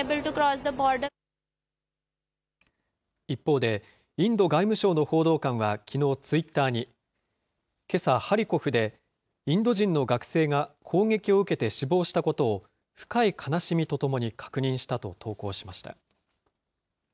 一方で、インド外務省の報道官はきのう、ツイッターに、けさ、ハリコフでインド人の学生が砲撃を受けて死亡したことを深い悲しみとともに確認したと投稿しました。